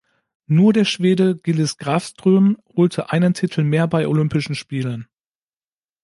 Nur der Schwede Gillis Grafström holte einen Titel mehr bei Olympischen Spielen.